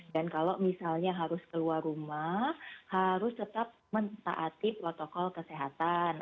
dan kalau misalnya harus keluar rumah harus tetap menetap protokol kesehatan